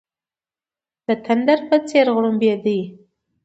د تندر په څېر غړمبېدی.